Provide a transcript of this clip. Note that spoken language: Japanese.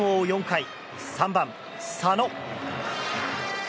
４回３番、佐野。